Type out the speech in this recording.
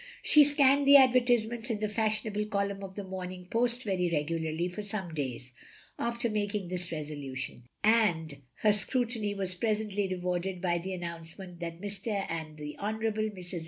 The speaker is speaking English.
She scanned the advertisements in the fashion able coltmm of the Morning Post very regularly for some days after making this resolution; and her scrutiny was presently rewarded by the an nouncement that Mr. and the Hon. Mrs.